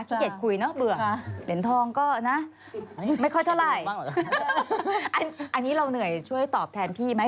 เกดคุยเนอะเบื่อเหรียญทองก็นะไม่ค่อยเท่าไหร่อันนี้เราเหนื่อยช่วยตอบแทนพี่ไหม